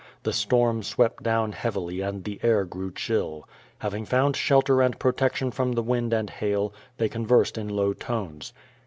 The storm swept down heavily and the air grew chill. Having found shelter and protection from the wind and hail, they conversed in low tones.